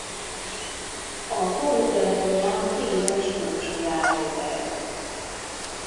A falu temploma híres búcsújáróhely.